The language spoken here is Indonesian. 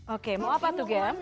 oke mau apa tuh game